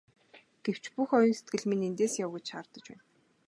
Гэвч бүх оюун сэтгэл минь эндээс яв гэж шаардаж байна.